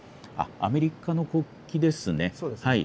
アメリカの国旗ですね。